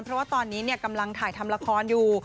เพราะว่าตอนนี้กำลังถ่ายทำละครอยู่